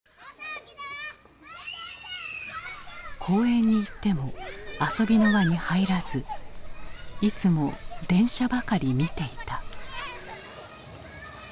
公園に行っても遊びの輪に入らずいつも電車ばかり見ていた。